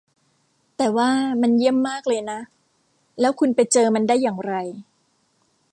แต่ว่ามันเยี่ยมมากเลยนะ แล้วคุณไปเจอมันได้อย่างไร